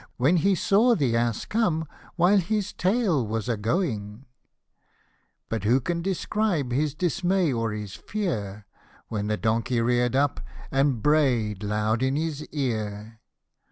When he saw the ass come, while his tail was a going ; 81 But who can describe his dismay or his fear, When the donkey rear'd up^ and bray'd loud in his ear